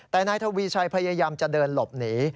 แต่นายทวีชัยพยายามจะเดินหลบหนี